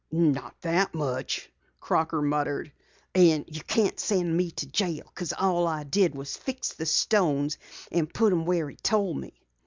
"Not that much," Crocker muttered. "An' you can't send me to jail because all I did was fix the stones and put 'em where he told me."